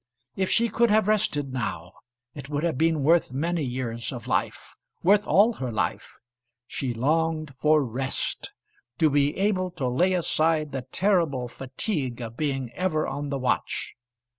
If she could have rested now, it would have been worth many years of life, worth all her life. She longed for rest, to be able to lay aside the terrible fatigue of being ever on the watch.